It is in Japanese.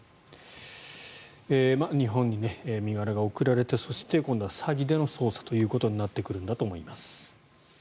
日本に身柄が送られて今度は詐欺での捜査ということになってくるんだと思います。